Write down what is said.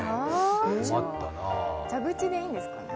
蛇口でいいんですかね？